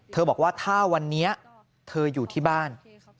บอกว่าถ้าวันนี้เธออยู่ที่บ้าน